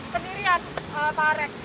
sendirian pak arek